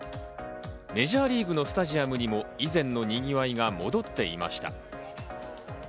メジャーリーグのスタジアムにも以前のにぎわいが戻っていました。